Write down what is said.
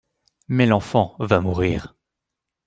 Mais l'enfant va mourir.